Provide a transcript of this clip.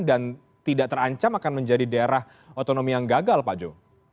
tidak terancam akan menjadi daerah otonomi yang gagal pak jo